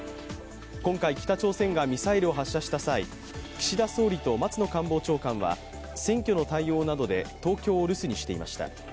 今回、北朝鮮がミサイルを発射した際岸田総理と松野官房長官は選挙の対応などで東京を留守にしていました。